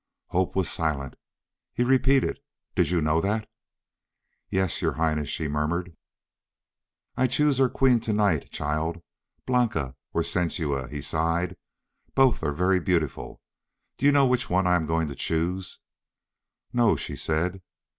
Hope was silent. He repeated, "Did you know that?" "Yes, Your Highness," she murmured. "I choose our queen to night, child. Blanca or Sensua." He sighed. "Both are very beautiful. Do you know which one I am going to choose?" "No," she said.